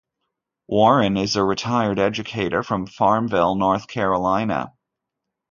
Warren is a retired educator from Farmville, North Carolina.